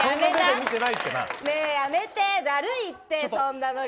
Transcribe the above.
やめて、だるいってそんなノリ！